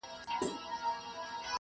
ډېر خلک د غوښې په خوراک کې محتاط وي.